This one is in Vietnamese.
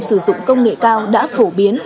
sử dụng công nghệ cao đã phổ biến